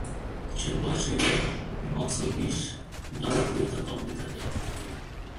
কিশোর বয়সে তার box office জনপ্রিয়তা কমতে থাকে।